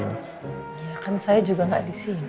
ya kan saya juga gak di sini